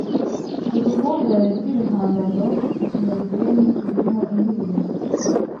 Uruhurirane rw’ibihangano nyabugeni burimo indirimbo